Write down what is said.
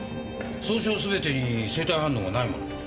創傷すべてに生体反応がないもの。